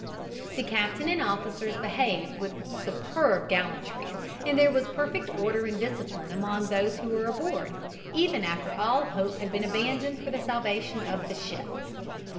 The captain and officers behaved with superb gallantry, and there was perfect order and discipline among those who were aboard, even after all hope had been abandoned for the salvation of the ship.